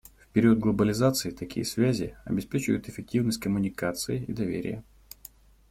В период глобализации такие связи обеспечивают эффективность коммуникаций и доверие.